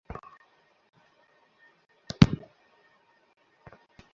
দিদারুল ইসলামঢাকা বিশ্ববিদ্যালয়একজন সাহিত্যিকের কাজ হলো সারা জীবন জীবনের মানে খোঁজা।